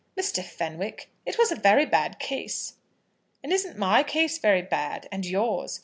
"Mr. Fenwick, it was a very bad case." "And isn't my case very bad, and yours?